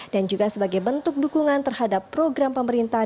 dan juga sebagai bentuk dukungan terhadap program pemerintah